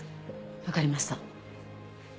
分かりました。